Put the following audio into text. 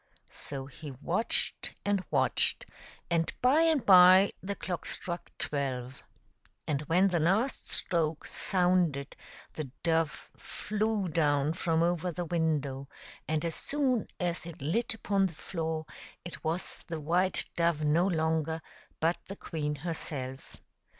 So he watched and watched, and by and by the clock struck twelve. And when the last stroke sounded the dove flew down from over the window, and as soon as it lit upon the floor it was the white dove no longer, but the queen herself.